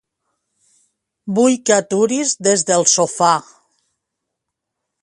Vull que aturis Desdelsofà.